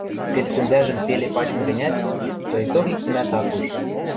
Пел сӹнзӓжӹм пеле пачын гӹнят, соикток иктӹмӓт ак уж.